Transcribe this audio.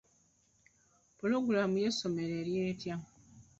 Pulogulaamu y'essomero eri etya?